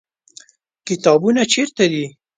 کتابتون چیرته دی؟